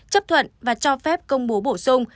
chấp thuận và cho phép công bố bổ sung